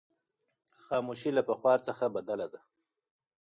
خاموشي له پخوا څخه بدله ده.